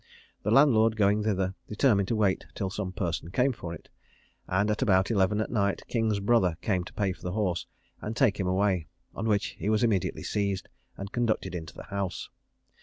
The landlord going thither, determined to wait till some person came for it; and at about eleven at night, King's brother came to pay for the horse, and take him away, on which he was immediately seized, and conducted into the house.